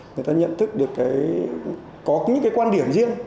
người ta nhận thức được có những cái quan điểm riêng